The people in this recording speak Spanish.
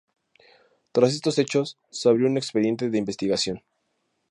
Tras estos hechos, se abrió un expediente de investigación.